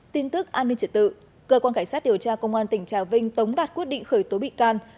tin tức an ninh trật tự cơ quan cảnh sát điều tra công an tỉnh trà vinh tống đạt quyết định khởi tố bị can